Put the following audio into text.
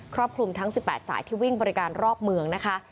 รอบคลุมทั้ง๑๘สายที่วิ่งบริการรอบเมืองนะคะ